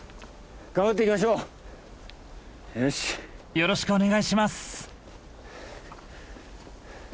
よろしくお願いします。